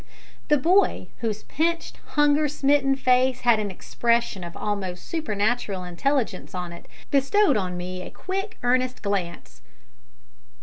The boy, whose pinched, hunger smitten face had an expression of almost supernatural intelligence on it, bestowed on me a quick, earnest glance.